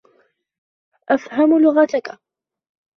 أفهم لغتك.